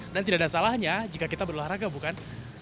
dan tidak ada salahnya jika kita berluar raga bukan